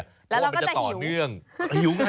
เพราะว่ามันจะต่อเนื่องตารมณ์นะคะ